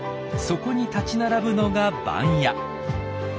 そこに立ち並ぶのが番屋。